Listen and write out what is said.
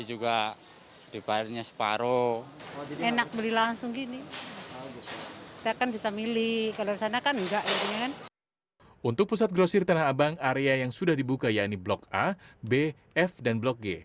untuk pusat grosir tanah abang area yang sudah dibuka yaitu blok a b f dan blok g